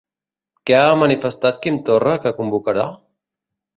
Què ha manifestat Quim Torra que convocarà?